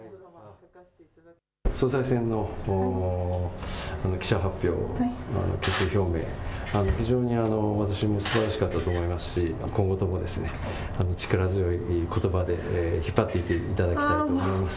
総裁選の記者発表、決意表明、非常に私もすばらしかったと思いますし今後とも力強いことばで引っ張っていただきたいと思います。